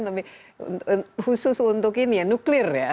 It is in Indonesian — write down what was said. tapi khusus untuk ini ya nuklir ya